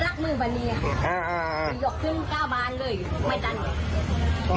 หลงกินเก้าบานเลยอีกไม่รอด